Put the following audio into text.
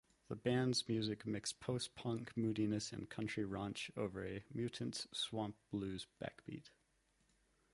The band's music mixed post-punk moodiness and country raunch over a mutant swamp-blues backbeat.